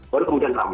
baru kemudian rame